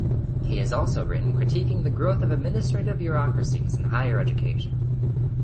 He has also written critiquing the growth of administrative bureaucracies in higher education.